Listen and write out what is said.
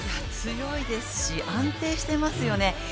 強いですし安定していますよね。